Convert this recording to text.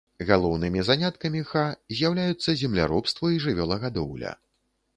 Галоўнымі заняткамі ха з'яўляюцца земляробства і жывёлагадоўля.